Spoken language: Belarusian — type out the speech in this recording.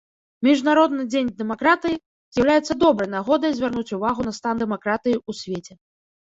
Міжнародны дзень дэмакратыі з'яўляецца добрай нагодай звярнуць увагу на стан дэмакратыі ў свеце.